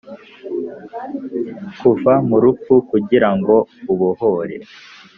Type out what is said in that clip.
kuva mu rupfu kugira ngo ubohore.